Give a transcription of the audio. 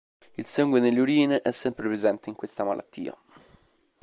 Il sangue nelle urine è sempre presente in questa malattia.